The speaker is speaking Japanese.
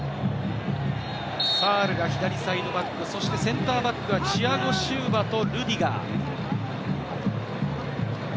サールが左サイドバック、そして、センターバックがチアゴ・シウバとルディガー。